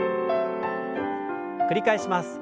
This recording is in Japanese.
繰り返します。